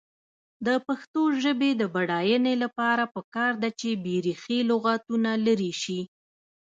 د پښتو ژبې د بډاینې لپاره پکار ده چې بېریښې لغتونه لرې شي.